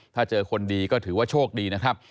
ถ้าเจอคนดีก็ถือว่าโชคดีนะครับ